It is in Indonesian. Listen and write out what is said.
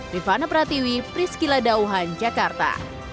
rifana pratiwi prisky ladauhan jakarta